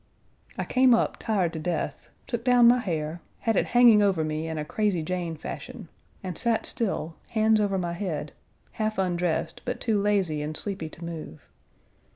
I came up tired to death; took down my hair; had it hanging over me in a Crazy Jane fashion; and sat still, hands over my head (half undressed, but too lazy and sleepy to move).